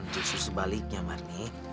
cukup sebaliknya marni